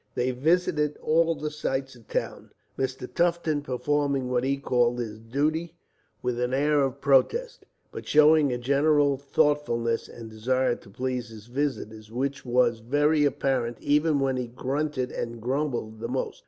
They visited all the sights of town, Mr. Tufton performing what he called his duty with an air of protest, but showing a general thoughtfulness and desire to please his visitors, which was very apparent even when he grunted and grumbled the most.